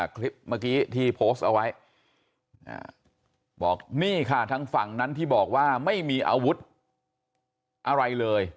คลิปเมื่อกี้ที่โพสต์เอาไว้บอกนี่ค่ะทางฝั่งนั้นที่บอกว่าไม่มีอาวุธอะไรเลย